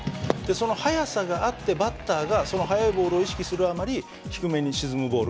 その速さがあってバッターがその速いボールを意識するあまり低めに沈むボール